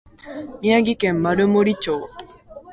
宮城県丸森町